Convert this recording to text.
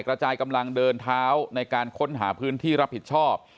กระจายกำลังเดินเท้าในการค้นหาพื้นที่รับผิดชอบ